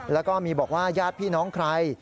แล้วก็มีบอกว่าญาติพี่น้องใคร